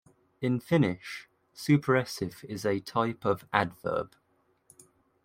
In Finnish, superessive is a type of adverb.